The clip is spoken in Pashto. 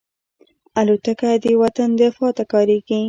الوتکه د وطن دفاع ته کارېږي.